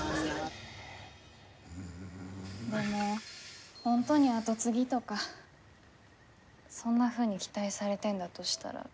でも本当に跡継ぎとかそんなふうに期待されてんだとしたら。